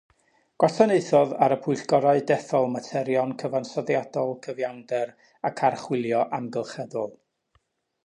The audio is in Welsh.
Gwasanaethodd ar y Pwyllgorau Dethol Materion Cyfansoddiadol, Cyfiawnder ac Archwilio Amgylcheddol.